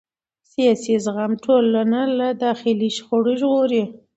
سیاسي زغم ټولنه له داخلي شخړو ژغوري